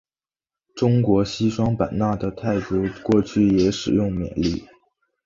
中国西双版纳的傣族过去也使用缅历。